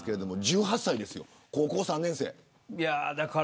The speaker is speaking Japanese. １８歳ですよ、高校３年生。